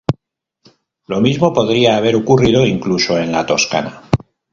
Lo mismo podría haber ocurrido incluso en la Toscana.